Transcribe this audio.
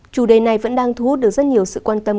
chủ đề này vẫn đang thu hút được rất nhiều sự quan tâm